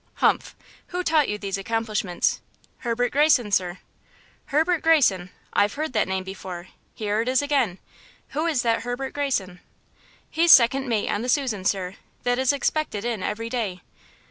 "Humph! Who taught you these accomplishments?" "Herbert Greyson, sir." "Herbert Greyson! I've heard that name before; here it is again. Who is that Herbert Greyson?" "He's second mate on the Susan, sir, that is expected in every day."